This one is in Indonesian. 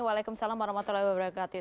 waalaikumsalam warahmatullahi wabarakatuh